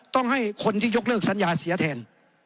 ต้องให้คนที่ยกเลิกสัญญาเสียแทน